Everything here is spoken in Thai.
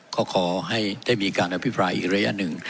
ก็ขอให้ได้มีการอภิปรายอีกระยะหนึ่ง